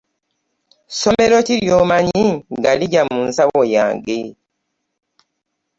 Ssomero ki ly'omanyi nga ligya mu nsawo yange?